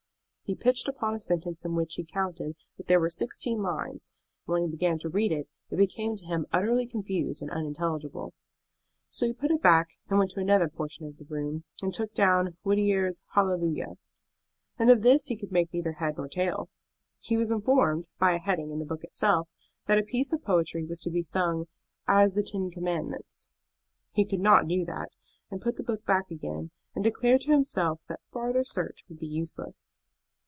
He pitched upon a sentence in which he counted that there were sixteen lines, and when he began to read it, it became to him utterly confused and unintelligible. So he put it back, and went to another portion of the room and took down Wittier's "Hallelujah;" and of this he could make neither head nor tail. He was informed, by a heading in the book itself, that a piece of poetry was to be sung "as the ten commandments." He could not do that, and put the book back again, and declared to himself that farther search would be useless.